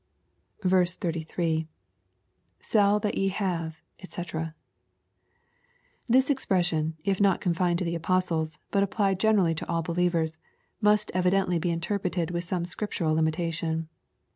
53. — [SeU that ye Jiave, dbc.] This expression, if not confined to the Apostles, but applied generally to all believers, must evidently be interpreted with some scriptural limitation.